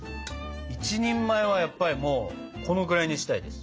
１人前はやっぱりもうこのくらいにしたいです。